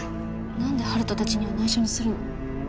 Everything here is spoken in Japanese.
何で温人達には内緒にするの？